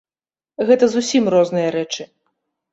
Гэта зусім розныя рэчы.